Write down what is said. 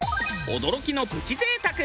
驚きのプチ贅沢。